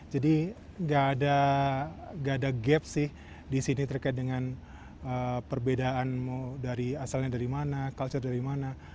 jadi tidak ada gap sih di sini terkait dengan perbedaan asalnya dari mana culture dari mana